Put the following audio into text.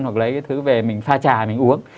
hoặc lấy cái thứ về mình pha trà mình uống